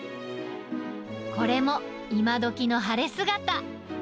これも、今どきの晴れ姿。